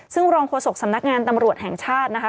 ซึ่งรองโฆษกสำนักงานตำรวจแห่งชาตินะคะ